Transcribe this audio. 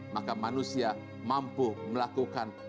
maka manusia mampu melakukan